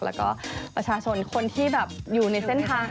แล้วก็ประชาชนคนที่แบบอยู่ในเส้นทาง